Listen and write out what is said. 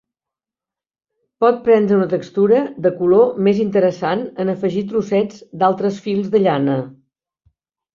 Pot prendre una textura de color més interessant en afegir trossets d'altres fils de llana.